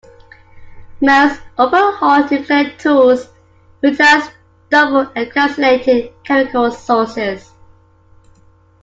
Most open hole nuclear tools utilize double-encapsulated chemical sources.